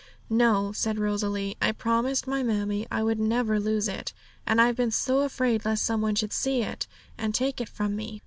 'No,' said Rosalie. 'I promised my mammie I would never lose it; and I've been so afraid lest some one should see it, and take it from me.'